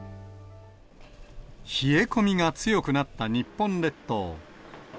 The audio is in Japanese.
冷え込みが強くなった日本列島。